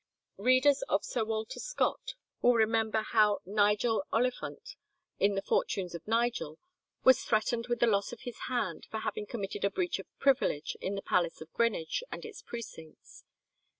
Readers of Sir Walter Scott will remember how Nigel Olifaunt, in the "Fortunes of Nigel," was threatened with the loss of his hand for having committed a breach of privilege in the palace of Greenwich and its precincts.